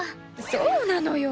そうなのよ！